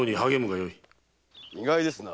意外ですな。